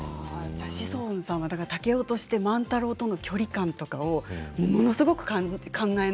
じゃあ志尊さんはだから竹雄として万太郎との距離感とかをものすごく考えながら。